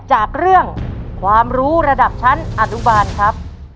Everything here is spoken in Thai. จากเรื่องความรู้ระดับชั้นอนุบาลครับ